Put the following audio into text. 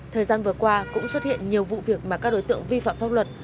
thời gian vừa qua cũng xuất hiện nhiều vụ việc mà các đối tượng vi phạm pháp luật